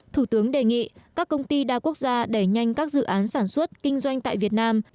thủ tướng đề nghị các công ty đa quốc gia đẩy nhanh các dự án sản xuất kinh doanh tại việt nam